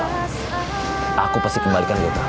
aku pasti kembalikan dia ke kamu